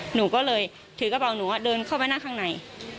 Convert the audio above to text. หนูก็เลยถือกระเป๋าหนูเดินเข้าไปนั่งข้างใน